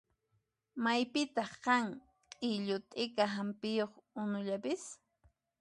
Maypitaq kan q'illu t'ika hampiyuq unullapis?